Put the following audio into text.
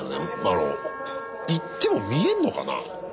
あの行っても見えんのかな？